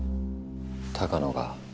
鷹野が？